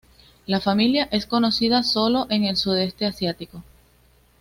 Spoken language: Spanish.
La familia es conocida sólo en el sudeste asiático.